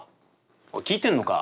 おい聞いてんのか。